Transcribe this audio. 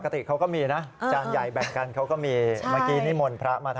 ตากับบะหมี่ล้มยักษ์